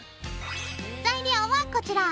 材料はこちら！